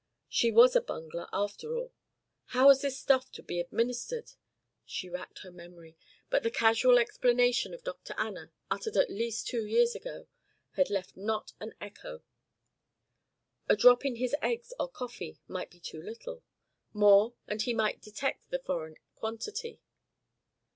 She was a bungler after all. How was the stuff to be administered? She racked her memory, but the casual explanation of Dr. Anna, uttered at least two years ago, had left not an echo. A drop in his eggs or coffee might be too little; more, and he might detect the foreign quantity.